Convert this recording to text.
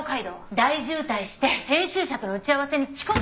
大渋滞して編集者との打ち合わせに遅刻よ！